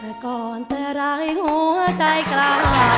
แต่ก่อนแต่ไร้หัวใจกลาง